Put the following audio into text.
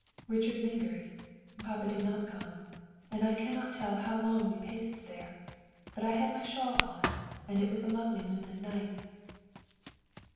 Richard lingered; papa did not come; and I cannot tell how long we paced there; but I had my shawl on, and it was a lovely moonlight night."